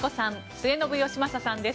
末延吉正さんです。